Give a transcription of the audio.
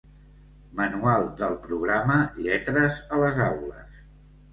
Manual del programa "Lletres a les aules"